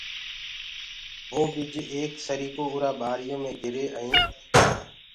وو ٻج ايڪ سريڪو اُرآ ٻآريو مي گري ائين